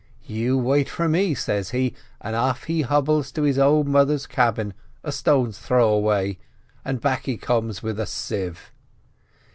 'You wait for me,' says he; and off he hobbles to his old mother's cabin a stone's throw away, and back he comes with a sieve.